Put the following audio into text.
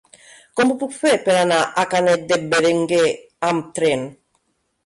Com ho puc fer per anar a Canet d'en Berenguer amb tren?